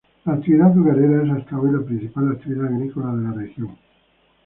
La actividad azucarera es hasta hoy la principal actividad agrícola de la región.